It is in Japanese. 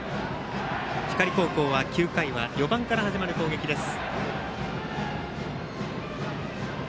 光高校は９回は４番から始まる攻撃です。